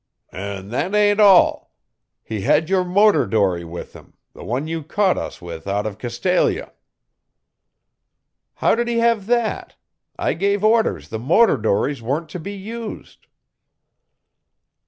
"An' that ain't all. He had your motor dory with him the one you caught us with out of Castalia." "How did he have that? I gave orders the motor dories weren't to be used."